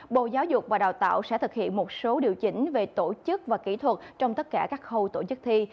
bộ giáo dục và đào tạo sẽ thực hiện một số điều chỉnh về tổ chức và kỹ thuật trong tất cả các khâu tổ chức thi